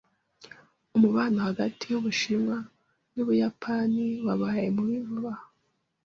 Umubano hagati yUbushinwa n’Ubuyapani wabaye mubi vuba aha.